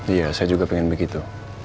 iya saya juga pengen begitu